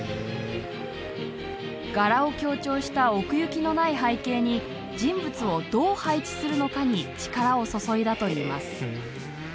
柄を強調した奥行きのない背景に人物をどう配置するのかに力を注いだといいます。